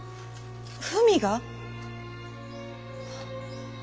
文が？